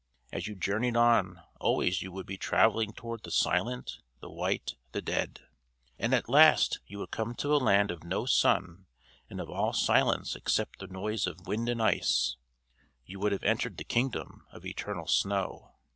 As you journeyed on always you would be travelling toward the silent, the white, the dead. And at last you would come to a land of no sun and of all silence except the noise of wind and ice; you would have entered the kingdom of eternal snow.